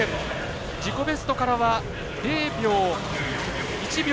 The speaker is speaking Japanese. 自己ベストからは０秒。